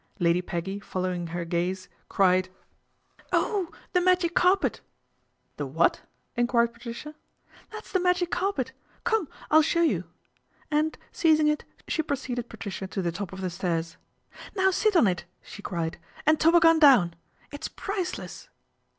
Ladv ^eggv following her ;aze cried : 258 PATRICIA BRENT, SPINSTER " Oh, the magic carpet !"" The what ?" enquired Patricia. " That's the magic carpet. Come, I'll shot you/' and seizing it she preceded Patricia to th top of the stairs. " Now sit on it," she cried, " am toboggan down. It's priceless."